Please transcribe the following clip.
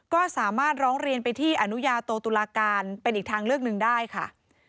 ก็สามารถร้องเรียนไปที่อนุญาโตตุลาการเป็นอีกทางเลือกหนึ่งได้ค่ะ